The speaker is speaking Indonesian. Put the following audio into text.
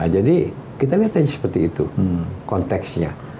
jadi kita lihat aja seperti itu konteksnya